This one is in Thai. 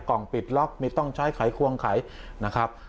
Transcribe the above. กล่องปิดล็อกไม่ต้องใช้ไขควงไขนะครับ